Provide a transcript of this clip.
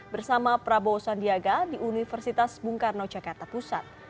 bersama prabowo sandiaga di universitas bung karno jakarta pusat